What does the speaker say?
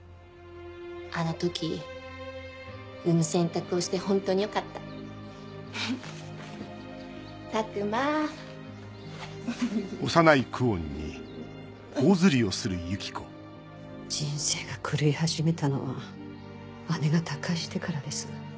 あの時産む選択をして本当によかった琢磨フフフん人生が狂い始めたのは姉が他界してからです。